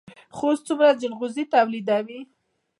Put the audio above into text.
خوست څومره جلغوزي تولیدوي؟